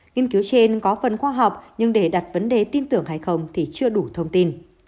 nghiên cứu trên có phần khoa học nhưng để đặt vấn đề tin tưởng hay không thì chưa đủ thông tin